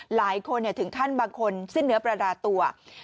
หลายคนถึงขั้นบางคนสิ้นเนื้อประดาตัว